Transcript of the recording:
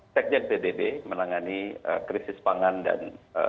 secjek ddb menangani krisis pangan dan